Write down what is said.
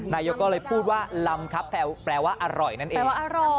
นายกก็เลยพูดว่าลำครับแปลว่าอร่อยนั่นเอง